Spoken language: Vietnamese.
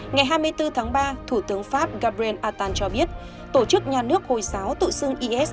ngày hai mươi bốn tháng ba thủ tướng pháp gabren atan cho biết tổ chức nhà nước hồi giáo tự xưng is